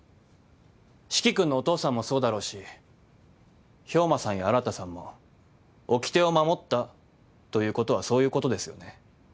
四鬼君のお父さんもそうだろうし兵馬さんや新さんもおきてを守ったということはそういうことですよね？